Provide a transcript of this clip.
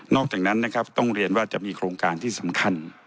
อกจากนั้นนะครับต้องเรียนว่าจะมีโครงการที่สำคัญ